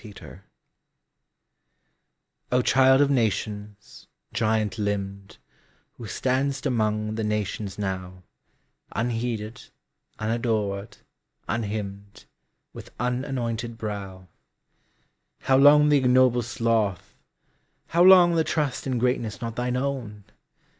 html O CHILD of Nations, giant limbed, Who stand'st among the nations now, Unheeded, unadored, unhymned, With unanointed brow:How long the ignoble sloth, how longThe trust in greatness not thine own?